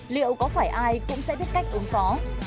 liệu có phải ai cũng sẽ biết cách ứng phó